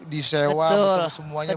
di sewa betul semuanya